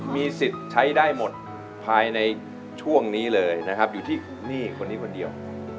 มีสิทธิ์ใช้ได้หมดภายในช่วงนี้เลยนะครับอยู่ที่นี่คนนี้คนเดียว